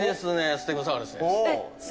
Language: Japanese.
ステゴサウルスです。